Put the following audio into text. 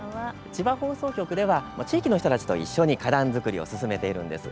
千葉放送局では地域の人たちと一緒に花壇作りを進めているんです。